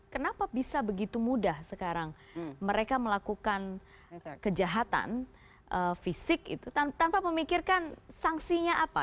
kenapa bisa begitu mudah sekarang mereka melakukan kejahatan fisik itu tanpa memikirkan sanksinya apa